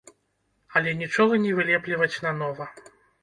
Але нічога не вылепліваць нанова.